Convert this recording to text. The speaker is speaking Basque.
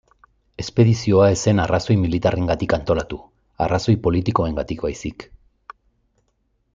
Espedizioa ez zen arrazoi militarrengatik antolatu, arrazoi politikoengatik baizik.